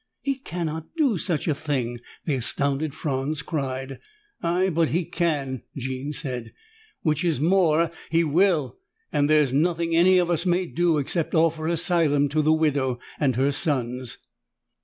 "He cannot do such a thing!" the astounded Franz cried. "Aye, but he can," Jean said. "Which is more, he will and there is nothing any of us may do except offer asylum to the widow and her sons!"